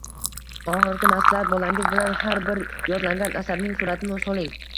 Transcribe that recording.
Oxirgi maslahat: bolangiz bilan har bir yodlangan asarning suratini soling.